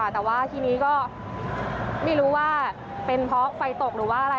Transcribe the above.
แต่ว่าทีนี้ก็ไม่รู้ว่าเป็นเพราะไฟตกหรือว่าอะไร